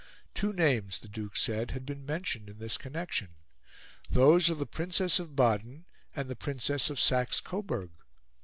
Two names, the Duke said, had been mentioned in this connection those of the Princess of Baden and the Princess of Saxe Coburg.